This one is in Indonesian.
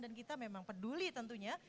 dan kita memang peduli tentunya